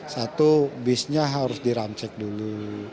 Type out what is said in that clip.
satu bisnya harus diramsek dulu